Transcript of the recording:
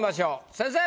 先生！